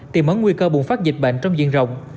tìm mở nguy cơ bùng phát dịch bệnh trong diện rộng